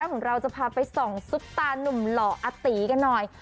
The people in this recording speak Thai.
ของเราจะพาไปส่องซุปตานุ่มหล่ออาตีกันหน่อย